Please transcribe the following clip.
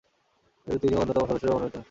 এতে তিনিও অন্যতম সদস্যরূপে মনোনীত হন।